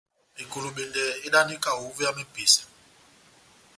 Ekolobendɛ edandi kaho uvé ya mepesa.